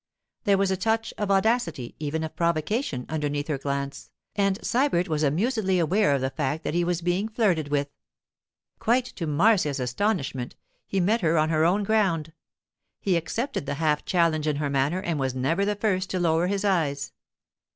There was a touch of audacity, even of provocation, underneath her glance, and Sybert was amusedly aware of the fact that he was being flirted with. Quite to Marcia's astonishment, he met her on her own ground; he accepted the half challenge in her manner and was never the first to lower his eyes.